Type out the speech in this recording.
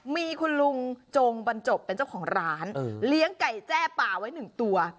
มีคุณลุงจงบรรจบเป็นเจ้าของร้านเลี้ยงไก่แจ้ป่าไว้หนึ่งตัว